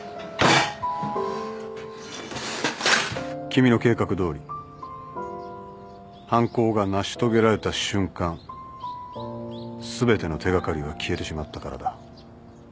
君の計画どおり犯行が成し遂げられた瞬間全ての手掛かりは消えてしまったからだ。